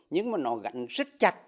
nhưng mà nó gắn rất chặt